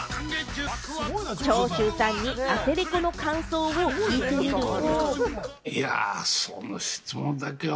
長州さんにアテレコの感想を聞いてみると。